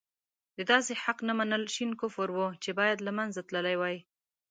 د داسې حق نه منل شين کفر وو چې باید له منځه تللی وای.